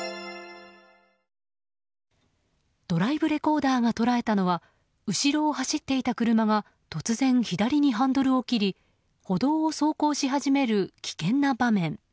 ドライブレコーダーが捉えたのは後ろを走っていた車が突然、左にハンドルを切り歩道を走行し始める危険な場面。